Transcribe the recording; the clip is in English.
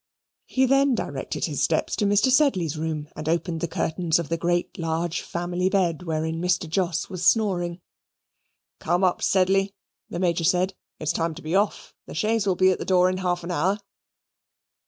He then directed his steps to Mr. Sedley's room and opened the curtains of the great large family bed wherein Mr. Jos was snoring. "Come, up! Sedley," the Major said, "it's time to be off; the chaise will be at the door in half an hour."